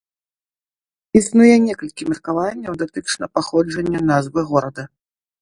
Існуе некалькі меркаванняў датычна паходжання назвы горада.